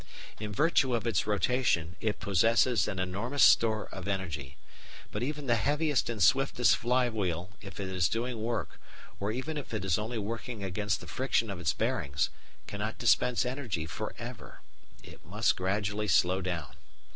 In virtue of its rotation it possesses an enormous store of energy. But even the heaviest and swiftest flywheel, if it is doing work, or even if it is only working against the friction of its bearings, cannot dispense energy for ever. It must, gradually, slow down.